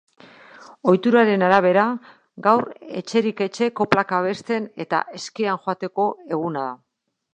Ohituraren arabera, gaur etxerik etxe koplak abesten eta eskean joateko eguna da.